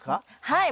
はい！